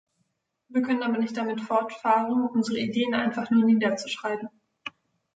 Wir können aber nicht damit fortfahren, unsere Ideen einfach nur niederzuschreiben.